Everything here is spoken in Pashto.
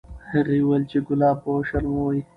هغې وویل چې ګلاب به وشرموي.